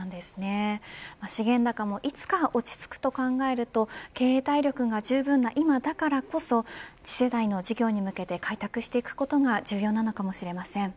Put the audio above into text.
資源高も、いつかは落ち着くと考えると経営体力がじゅうぶんな今だからこそ次世代の事業に向けて開拓していくことが重要なのかもしれません。